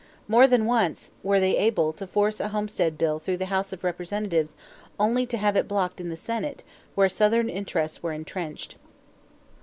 More than once were they able to force a homestead bill through the House of Representatives only to have it blocked in the Senate where Southern interests were intrenched.